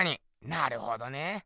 なるほどねぇ。